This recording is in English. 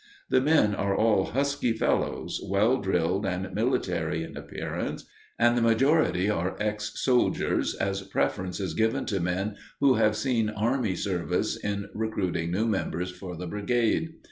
The men are all husky fellows, well drilled and military in appearance, and the majority are ex soldiers, as preference is given to men who have seen army service in recruiting new members for the brigade.